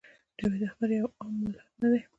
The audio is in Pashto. جاوېد اختر يو عام ملحد نۀ دے